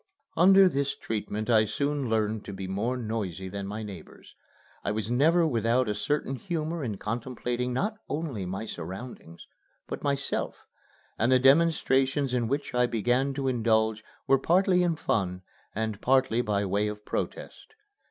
Under this treatment I soon learned to be more noisy than my neighbors. I was never without a certain humor in contemplating not only my surroundings, but myself; and the demonstrations in which I began to indulge were partly in fun and partly by way of protest.